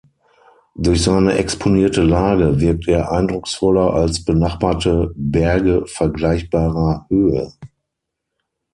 Durch seine exponierte Lage wirkt er eindrucksvoller als benachbarte Berge vergleichbarer Höhe.